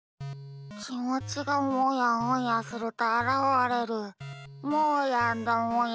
きもちがもやもやするとあらわれるもーやんだもや。